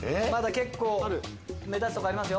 結構目立つとこありますよ。